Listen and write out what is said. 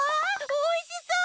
おいしそう！